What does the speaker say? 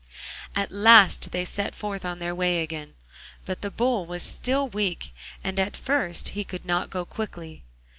At last they set forth on their way again, but the Bull was still weak, and at first could not go quickly.